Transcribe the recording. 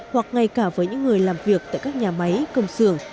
hoặc ngay cả với những người làm việc tại các nhà máy công xưởng